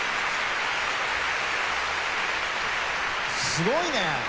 すごいね！